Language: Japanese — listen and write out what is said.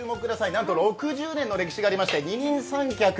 なんと６０年の歴史がありまして、二人三脚。